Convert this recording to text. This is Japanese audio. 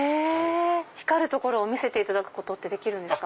光るところを見せていただくことできるんですか？